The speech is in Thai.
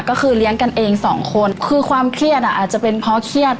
ก็คือเลี้ยงกันเองสองคนคือความเครียดอ่ะอาจจะเป็นเพราะเครียด